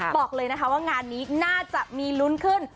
บอกเลยนะคะว่างานนี้น่าจะมีลุ้นขึ้น